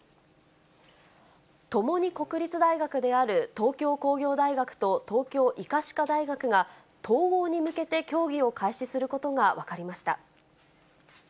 ともに国立大学である東京工業大学と東京医科歯科大学が、統合に向けて協議を開始することが分かりました。